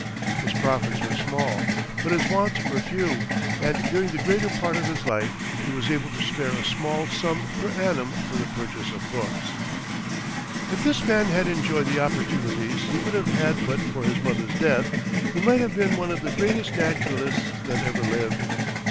His profits were small, but his wants were few, and during the greater part of his life he was able to spare a small sum per annum for the purchase of books. If this man had enjoyed the opportunities he would have had but for his mother's death, he might have been one of the greatest naturalists that ever lived.